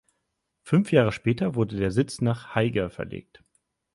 Fünf Jahre später wurde der Sitz nach Haiger verlegt.